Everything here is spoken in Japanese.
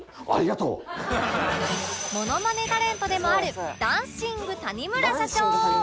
モノマネタレントでもあるダンシング☆谷村社長